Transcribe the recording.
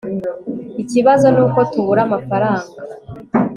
ikibazo nuko tubura amafaranga